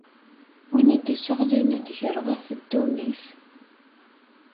Win i d-isseɣlin nnger ɣef ddunit.